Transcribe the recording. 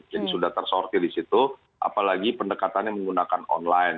jadi sudah tersortir di situ apalagi pendekatannya menggunakan online